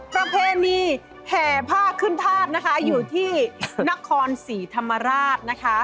ประเพณีแห่ผ้าขึ้นธาตุนะคะอยู่ที่นครศรีธรรมราชนะคะ